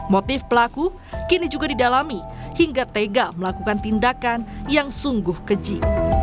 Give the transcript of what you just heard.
motif pelaku kini juga didalami hingga tega melakukan tindakan yang sungguh keji